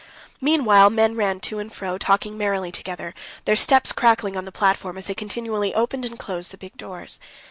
Meanwhile men ran to and fro, talking merrily together, their steps crackling on the platform as they continually opened and closed the big doors.